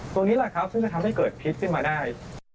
ตรงนี้แหละครับซึ่งจะทำให้เกิดพิษขึ้นมาได้